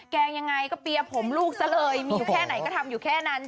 แกล้งยังไงก็เปียร์ผมลูกซะเลยมีอยู่แค่ไหนก็ทำอยู่แค่นั้น